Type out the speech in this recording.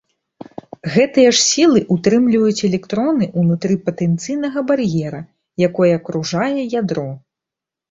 Гэтыя ж сілы ўтрымліваюць электроны ўнутры патэнцыйнага бар'ера, якое акружае ядро.